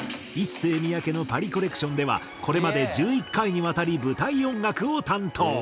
ＩＳＳＥＹＭＩＹＡＫＥのパリコレクションではこれまで１１回にわたり舞台音楽を担当。